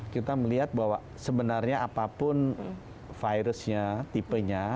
kita melihat bahwa sebenarnya apapun virusnya tipenya